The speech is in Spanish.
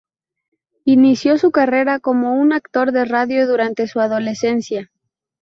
Inició su carrera como un actor de radio durante su adolescencia.